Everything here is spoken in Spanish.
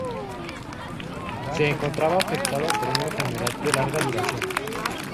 Se encontraba afectado por una enfermedad de larga duración.